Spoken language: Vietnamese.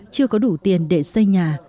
chưa có đủ tiền để xây nhà